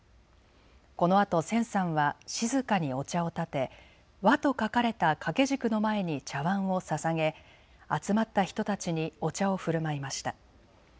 このあと千さんは静かにお茶をたて、和と書かれた掛け軸の前に茶わんをささげ集まった人たちにお茶をふるまいました。